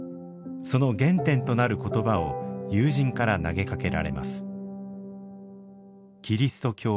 その原点となる言葉を友人から投げかけられます。